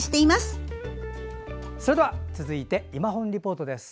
続いて「いまほんリポート」です。